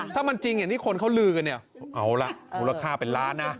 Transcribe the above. ถ้ามันจริงอย่างที่คนเขาลือกันเนี่ยเอาละมูลค่าเป็นล้านนะ